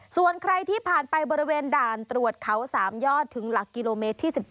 ส่วนใครที่ผ่านไปบริเวณด่านตรวจเขา๓ยอดถึงหลักกิโลเมตรที่๑๗